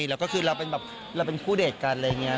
แล้วก็คือเราเป็นคู่เดทกันอะไรอย่างนี้